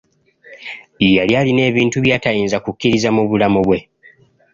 Yali alina ebintu by'atayinza kukkiriza mu bulamu bwe.